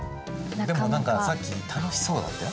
でも何かさっき楽しそうだったよ。